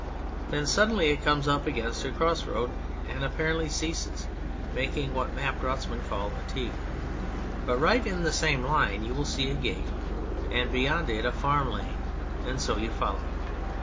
Then suddenly it comes up against a cross road and apparently ceases, making what map draughtsmen call a " T "; but right in the same line you will see a gate, and beyond it a farm lane, and so you follow.